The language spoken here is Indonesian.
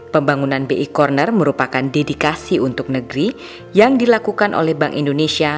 pembangunan bi corner merupakan dedikasi untuk negeri yang dilakukan oleh bank indonesia